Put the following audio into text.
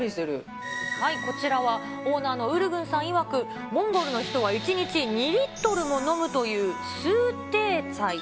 こちらはオーナーのウルグンさんいわく、モンゴルの人は１日２リットルも飲むというスーテーツァイ。